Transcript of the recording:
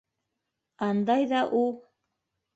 Андай ҙа у...